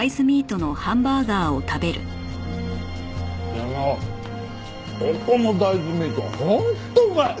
でもここの大豆ミートは本当うまい！